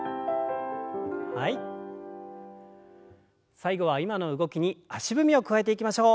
最後は今の動きに足踏みを加えていきましょう。